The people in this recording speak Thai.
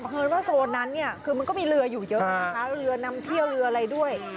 หาเรือนำเที่ยวเรืออะไรด้วย